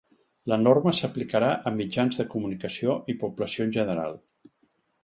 La norma s’aplicarà a mitjans de comunicació i població en general.